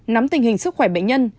nắm tình hình sức khỏe bệnh nhân